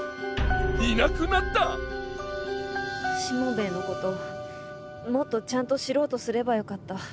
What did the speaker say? しもべえのこともっとちゃんと知ろうとすればよかった。